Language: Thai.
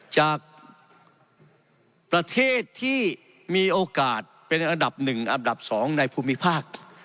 จากประเทศที่มีโอกาสเป็นอันดับ๑อันดับ๒ในภูมิภาค